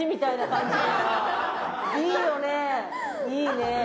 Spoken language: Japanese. いいね。